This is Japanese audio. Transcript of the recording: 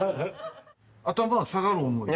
頭が下がる思い。